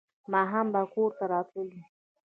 ماښام به کور ته راتلو.